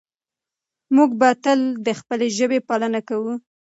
موږ به تل د خپلې ژبې پالنه کوو.